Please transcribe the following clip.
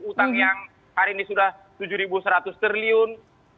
utang yang hari ini sudah rp tujuh seratus triliun